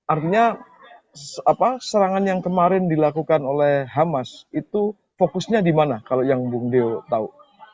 artinya serangan yang kemarin dilakukan oleh hamas itu fokusnya di mana kalau yang bung deo tahu